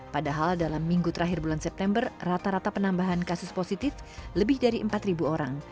padahal dalam minggu terakhir bulan september rata rata penambahan kasus positif lebih dari empat orang